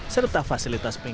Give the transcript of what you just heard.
serta fasilitas sepak bola